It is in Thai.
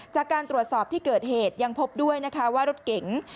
จากการตรวจสอบที่เกิดเหตุยังพบด้วยนะคะว่ารถเก๋ง